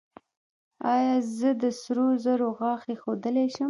ایا زه د سرو زرو غاښ ایښودلی شم؟